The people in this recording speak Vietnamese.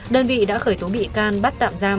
đơn vị đã khởi tố bị can bắt tạm giam